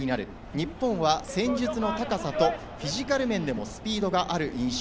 日本は戦術の高さとフィジカル面でもスピードがある印象。